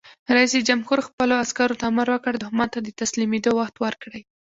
رئیس جمهور خپلو عسکرو ته امر وکړ؛ دښمن ته د تسلیمېدو وخت ورکړئ!